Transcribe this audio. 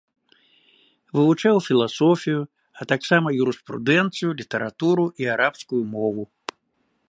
Вывучаў філасофію, а таксама юрыспрудэнцыю, літаратуру і арабскую мову.